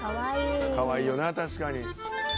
かわいいよな確かに。